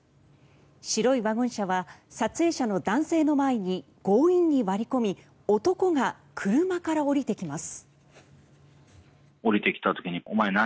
白いワゴン車は撮影者の男性の前に強引に割り込み男が車から降りてきます。